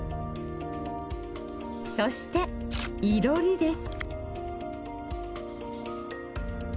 そしていろりです。